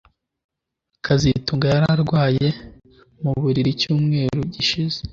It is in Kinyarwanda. kazitunga yari arwaye mu buriri icyumweru gishize